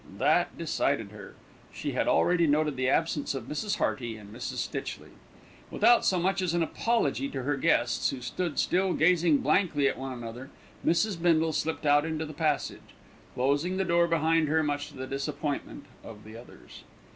That decided her. She had already noted the absence of Mrs. Hearty and Mrs. Stitchley. Without so much as an apology to her guests, who stood still gazing blankly at one another, Mrs. Bindle slipped out into the passage, closing the door behind her, much to the disappointment of the others.